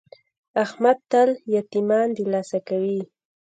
احمد تل یتمیان دلاسه کوي.